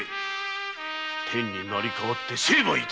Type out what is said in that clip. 天に成り代わって成敗致す！